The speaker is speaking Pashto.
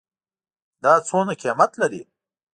دا څومره قیمت لري ?